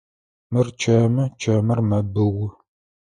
Мыр чэмы, чэмыр мэбыу.